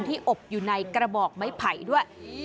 อบอยู่ในกระบอกไม้ไผ่ด้วย